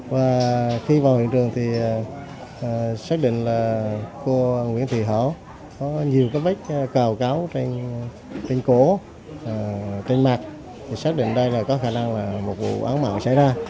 và khi vào hiện trường thì xác định là cô nguyễn thị hảo có nhiều cái vết cào cáo trên cổ trên mặt thì xác định đây là có khả năng là một vụ án mạng xảy ra